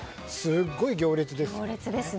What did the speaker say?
すごい行列ですね。